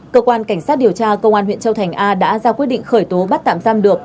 cơ quan cảnh sát điều tra công an huyện châu thành a đã ra quyết định khởi tố bắt tạm giam được